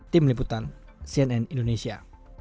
tim liputan cnn indonesia